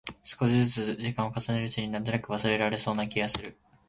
少しづつ時間を重ねるうちに、なんとなく忘れられそうな気がする。